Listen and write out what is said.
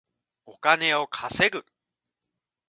お金を稼ぐ